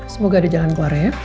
semoga ada jalan ke warah ya